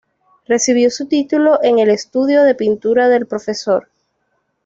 Recibió su título en el estudio de pintura del Prof.